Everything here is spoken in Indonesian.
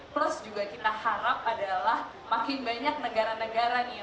terus juga kita harap adalah makin banyak negara negara yang melakukan